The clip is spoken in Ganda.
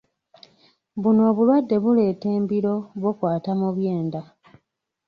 Buno obulwadde buleeta embiro bukwata mu byenda.